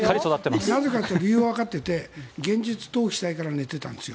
なぜかというと理由はわかっていて現実逃避したいから寝ていたんですよ。